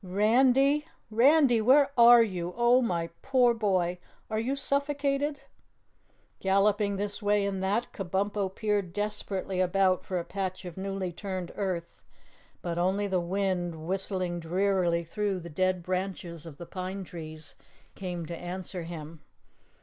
"Randy! Randy, where are you? Oh, my poor boy, are you suffocated?" Galloping this way and that, Kabumpo peered desperately about for a patch of newly turned earth. But only the wind whistling drearily through the dead branches of the pine trees came to answer him.